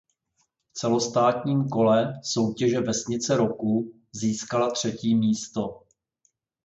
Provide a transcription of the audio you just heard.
V celostátním kole soutěže Vesnice roku získala třetí místo.